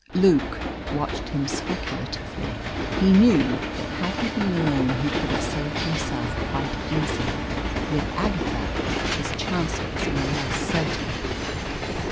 Luke watched him speculatively. He knew that had he been alone he could have saved himself quite easily. With Agatha his chances were less certain.